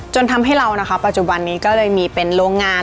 จนทำให้เรานะคะปัจจุบันนี้ก็เลยมีเป็นโรงงาน